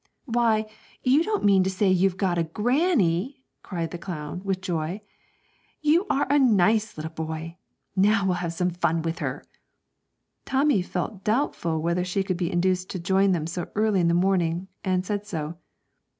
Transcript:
'Why, you don't mean to say you've got a granny!' cried the clown, with joy; 'you are a nice little boy; now we'll have some fun with her.' Tommy felt doubtful whether she could be induced to join them so early in the morning, and said so.